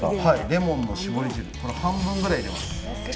レモンの搾り汁半分ぐらい入れます。